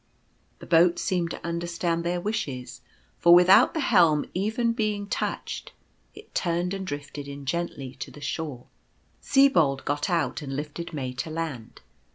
The boat seemed to understand their wishes, for with out the helm even being touched, it turned and drifted in gently to the shore. Sibold got out and lifted May to land.